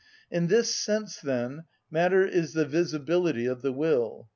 In this sense, then, matter is the visibility of the will.